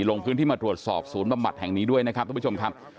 ลงพื้นที่มาตรวจสอบศูนย์บำบัดแห่งนี้ด้วยนะครับทุกผู้ชมครับ